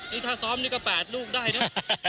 นี่ถ้าซ้อมนี่ก็๘ลูกได้นะ